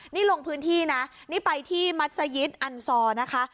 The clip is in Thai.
นี่ลงพื้นที่นะนี่ไปที่มัศยิตอันซอร์นะคะ